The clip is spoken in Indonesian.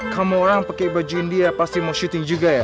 kamu orang pakai baju india pasti mau syuting juga ya